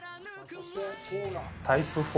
タイプ４